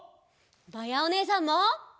まやおねえさんも。